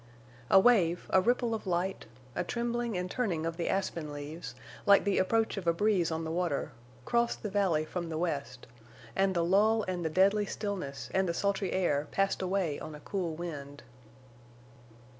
A wave, a ripple of light, a trembling and turning of the aspen leaves, like the approach of a breeze on the water, crossed the valley from the west; and the lull and the deadly stillness and the sultry air passed away on a cool wind.